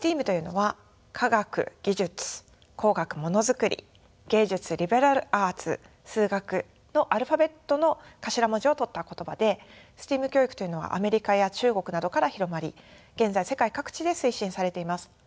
ＳＴＥＡＭというのは科学技術工学ものづくり芸術・リベラルアーツ数学のアルファベットの頭文字をとった言葉でＳＴＥＡＭ教育というのはアメリカや中国などから広まり現在世界各地で推進されています。